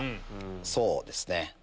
そうですね。